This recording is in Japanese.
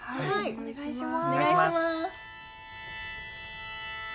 お願いします。